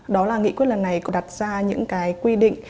đó là nghị quyết lần này đặt ra những cái quy định